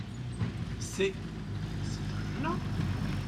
C’est… c’est un jeune homme…